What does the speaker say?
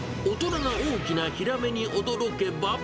大人が大きなヒラメに驚けば。